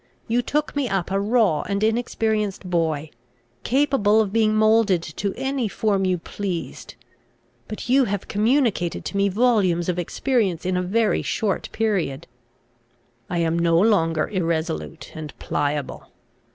You took me up a raw and inexperienced boy, capable of being moulded to any form you pleased. But you have communicated to me volumes of experience in a very short period. I am no longer irresolute and pliable.